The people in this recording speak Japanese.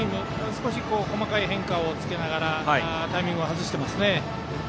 少し細かい変化をつけながらタイミングを外していますね。